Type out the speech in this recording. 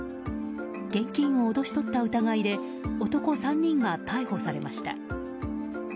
現金を脅し取った疑いで男３人が逮捕されました。